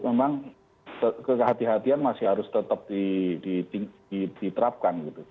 memang kehati hatian masih harus tetap diterapkan